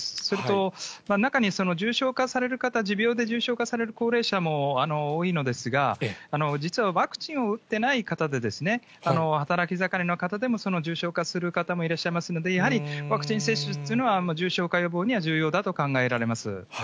それと、中に重症化される方、持病で重症化される高齢者も多いのですが、実はワクチンを打ってない方で、働き盛りの方でも、その重症化する方もいらっしゃいますので、やはりワクチン接種っていうのは、重症化予防には重要だと考えられます。